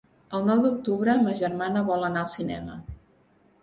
El nou d'octubre ma germana vol anar al cinema.